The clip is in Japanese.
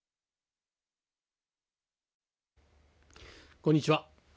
こんにちは。